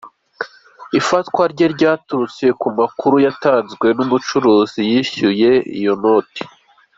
Ifatwa rye ryaturutse ku makuru yatanzwe n’umucuruzi yishyuye iyo noti.